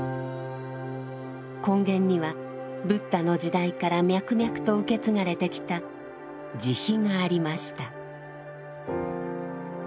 根源にはブッダの時代から脈々と受け継がれてきた慈悲がありました。